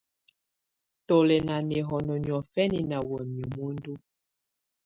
Tù lɛ̀ nà nɛhɔnɔ niɔ̀fɛna nà wamɛ̀á muǝndu.